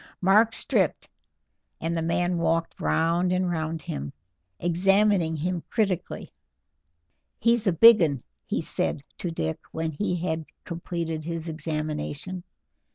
Mark stripped, and the man walked round and round him, examining him critically. "He's a big 'un," he said to Dick when he had completed his examination.